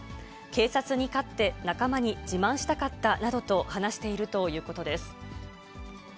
警察に勝って仲間に自慢したかったなどと話しているということです。